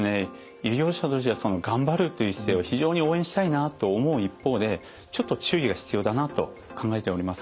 医療者としては頑張るという姿勢は非常に応援したいなと思う一方でちょっと注意が必要だなと考えております。